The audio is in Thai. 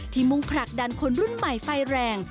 มุ่งผลักดันคนรุ่นใหม่ไฟแรง